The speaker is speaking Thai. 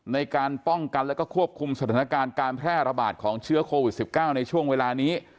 ในการป้องกันแล้วก็ควบคุมสถานการณ์การแพร่ระบาดของเชื้อโควิด๑๙ในช่วงเวลานี้